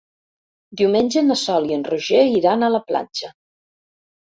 Diumenge na Sol i en Roger iran a la platja.